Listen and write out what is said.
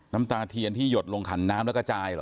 น้ำตาเทียนที่หยดลงขันน้ำแล้วกระจายเหรอ